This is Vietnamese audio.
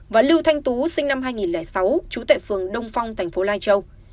và lưu thanh tú sinh năm hai nghìn sáu chú tại phường đông phong tp lai châu